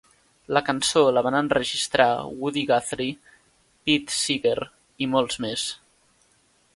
La cançó la van enregistrar Woody Guthrie, Pete Seeger i molts més.